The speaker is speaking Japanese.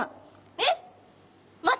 えっ！